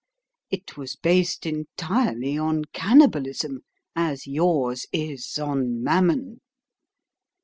It was based entirely on cannibalism, as yours is on Mammon.